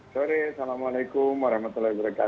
sore assalamualaikum wr wb